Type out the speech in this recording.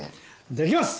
できます！